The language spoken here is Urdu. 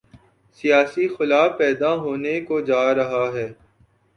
سیاسی خلا پیدا ہونے کو جارہا ہے۔